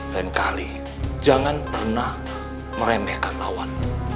kali jangan pernah meremehkan lawan